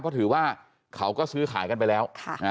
เพราะถือว่าเขาก็ซื้อขายกันไปแล้ว